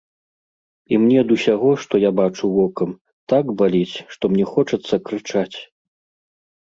І мне ад усяго, што я бачу вокам, так баліць, што мне хочацца крычаць.